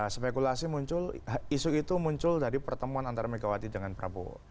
spekulasi muncul isu itu muncul dari pertemuan antara megawati dengan prabowo